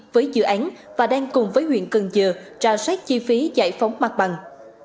với dự án và đang cùng với huyện cần giờ trả sát chi phí giải phóng mặt bằng